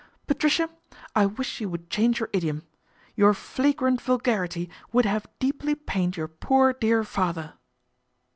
" Patricia, I wish you would change your idiom. Your flagrant vulgarity would have deeply pained your poor, dear father."